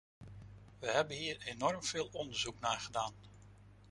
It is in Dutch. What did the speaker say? We hebben hier enorm veel onderzoek naar gedaan.